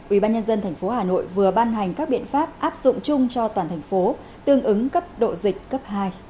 ubnd tp hà nội vừa ban hành các biện pháp áp dụng chung cho toàn thành phố tương ứng cấp độ dịch cấp hai